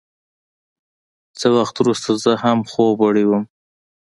څه وخت وروسته زه هم خوب وړی وم.